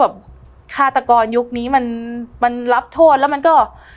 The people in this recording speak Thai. ฆาตกรยุคนี้มันมันรับโทษแล้วมันก็